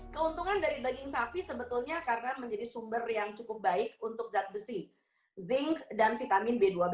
keuntungan dari daging sapi sebetulnya karena menjadi sumber yang cukup baik untuk zat besi zinc dan vitamin b dua b